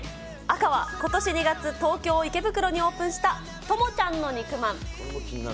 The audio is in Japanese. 赤はことし２月、東京・池袋にオープンした、ともちゃんの肉まん。